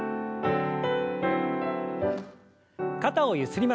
肩をゆすりましょう。